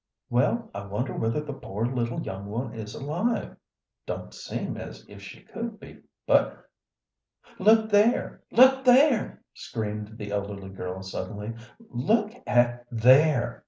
"Well, I wonder whether the poor little young one is alive? Don't seem as if she could be but " "Look there! look there!" screamed the elderly girl suddenly. "Look at _there!